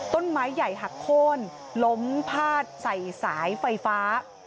ต้นไม้ใหญ่หักโค้นล้มพาดใส่สายไฟฟ้า